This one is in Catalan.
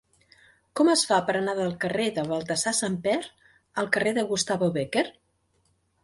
Com es fa per anar del carrer de Baltasar Samper el carrer de Gustavo Bécquer?